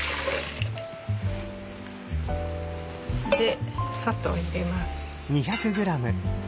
で砂糖入れます。